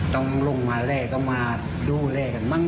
ต้องลงมาเล่ต้องมาดูเล่กันมั้ง